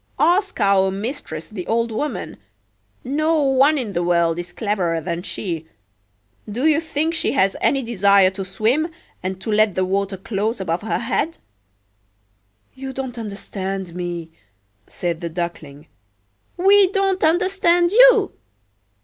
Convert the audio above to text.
Ask our mistress, the old woman; no one in the world is cleverer than she. Do you think she has any desire to swim, and to let the water close above her head?""You don't understand me," said the Duckling."We don't understand you?